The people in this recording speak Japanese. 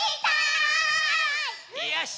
よし！